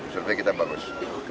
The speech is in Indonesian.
survei kita bagus